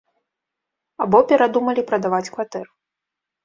Або перадумалі прадаваць кватэру.